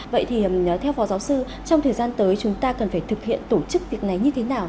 vậy thì theo phó giáo sư trong thời gian tới chúng ta cần phải thực hiện tổ chức việc này như thế nào